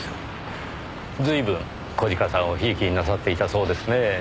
随分小鹿さんを贔屓になさっていたそうですねぇ。